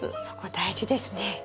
そこ大事ですね。